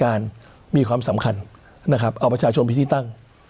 การผู้นำจัดการมีความสำคัญนะครับเอาประชาชนพิษที่ตั้ง